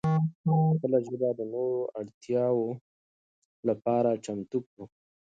خپله ژبه د نوو اړتیاو لپاره چمتو کړو.